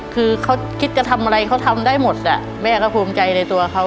คือเขาคิดจะทำอะไรเขาทำได้หมดแม่ก็ภูมิใจในตัวเขา